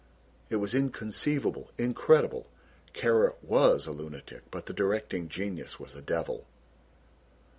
It was inconceivable, incredible. Kara was a lunatic, but the directing genius was a devil.